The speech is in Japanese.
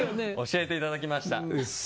教えていただきました。